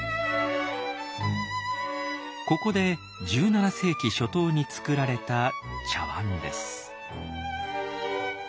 ここで１７世紀初頭に作られた茶碗です。